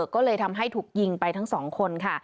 ก็เลยทำให้ถูกยิงไปทั้งสองคนค่ะ